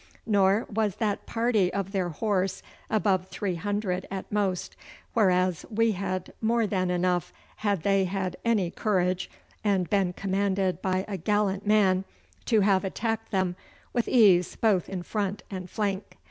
Nor was that party of their horse above three hundred at most, whereas we had more than enough had they had any courage, and been commanded by a gallant man, to have attacked them with ease both in front and flank.